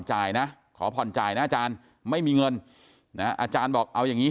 จ่ายนะขอผ่อนจ่ายนะอาจารย์ไม่มีเงินนะอาจารย์บอกเอาอย่างงี้